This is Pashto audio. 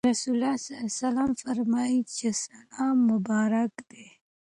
رسول الله صلی الله عليه وسلم فرمایلي چې سلام مبارک دی.